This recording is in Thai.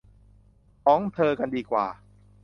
ของเธอกันดีกว่า